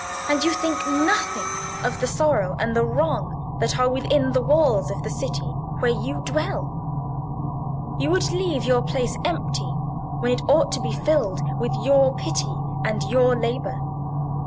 And you think nothing of the sorrow and the wrong that are within the walls of the city where you dwell: you would leave your place empty, when it ought to be filled with your pity and your labour.